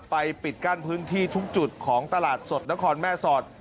ปิดกั้นพื้นที่ทุกจุดของตลาดสดนครแม่สอด